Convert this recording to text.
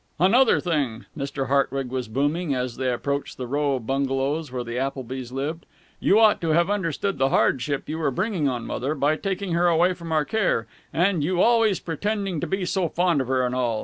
"Another thing," Mr. Hartwig was booming, as they approached the row of bungalows where the Applebys lived, "you ought to have understood the hardship you were bringing on Mother by taking her away from our care and you always pretending to be so fond of her and all.